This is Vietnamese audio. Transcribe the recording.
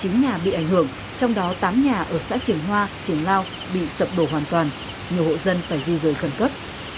một trăm một mươi chín nhà bị ảnh hưởng trong đó tám nhà ở xã triển hoa triển lao bị sập đổ hoàn toàn nhiều hộ dân phải di rời khẩn cấp